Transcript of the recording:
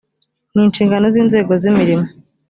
ni inshingano z’ inzego z’ imirimo